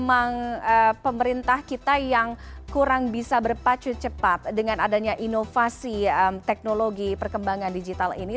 memang pemerintah kita yang kurang bisa berpacu cepat dengan adanya inovasi teknologi perkembangan digital ini